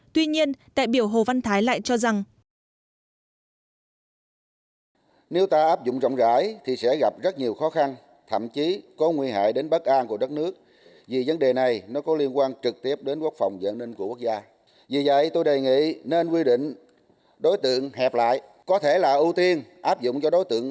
tuy nhiên đại biểu hồ văn thái lại cho rằng